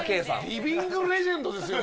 リビングレジェンドですよ